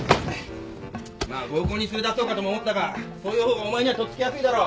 まあ合コンに連れ出そうかとも思ったがそういう方がお前には取っつきやすいだろ。